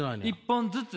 １本ずつ。